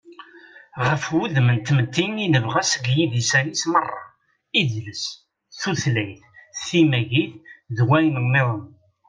Ɣef wudem n tmetti i nebɣa seg yidisan-is meṛṛa: idles, tutlayt, timagit, d wayen-nniḍen.